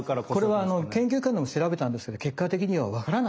これは研究会でも調べたんですけど結果的にはわからない。